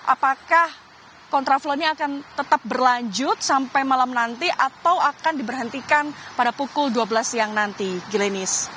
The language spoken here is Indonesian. apakah kontraflow ini akan tetap berlanjut sampai malam nanti atau akan diberhentikan pada pukul dua belas siang nanti gilinis